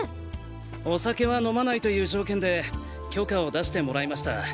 お酒は飲まないという条件で許可を出してもらいました。